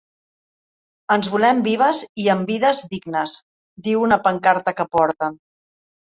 Ens volem vives i amb vides dignes, diu una pancarta que porten.